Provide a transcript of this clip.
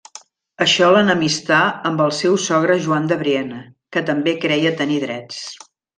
Això l'enemistà amb el seu sogre Joan de Brienne, que també creia tenir drets.